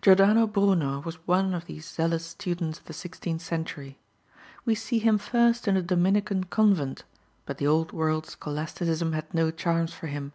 Jordano Bruno was one of these zealous students of the sixteenth century. We see him first in a Dominican convent, but the old world scholasticism had no charms for him.